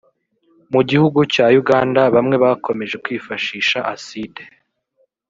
mu gihugu cya Uganda bamwe bakomeje kwifashisha acide